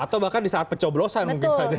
atau bahkan di saat pencoblosan mungkin saja